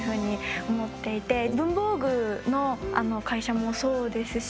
文房具の会社もそうですし